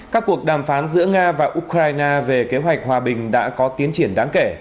các cuộc đàm phán giữa nga và ukraine về kế hoạch hòa bình đã có tiến triển đáng kể